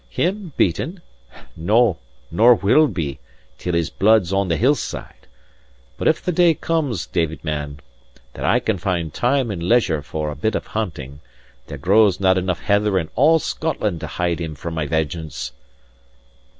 Him beaten? No: nor will be, till his blood's on the hillside! But if the day comes, David man, that I can find time and leisure for a bit of hunting, there grows not enough heather in all Scotland to hide him from my vengeance!"